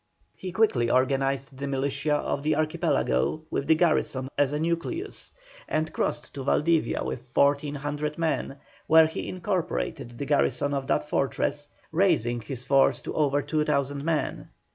He quickly organised the militia of the Archipelago, with the garrison as a nucleus, and crossed to Valdivia with 1,400 men, where he incorporated the garrison of that fortress, raising his force to over 2,000 men.